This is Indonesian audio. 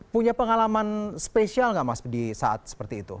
punya pengalaman spesial nggak mas di saat seperti itu